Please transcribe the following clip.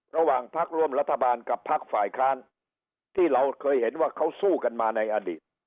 ระหว่างพักร่วมรัฐบาลกับพักฝ่ายค้านที่เราเคยเห็นว่าเขาสู้กันมาในอดีต